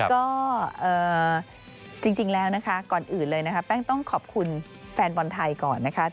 ก็จริงแล้วนะคะก่อนอื่นเลยนะคะแป้งต้องขอบคุณแฟนบอลไทยก่อนนะคะ